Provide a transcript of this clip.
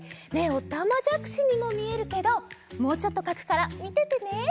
ねっおたまじゃくしにもみえるけどもうちょっとかくからみててね。